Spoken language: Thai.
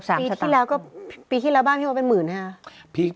ปีที่แล้วก็ปีที่แล้วบ้านพี่มดเป็นหมื่นนะคะ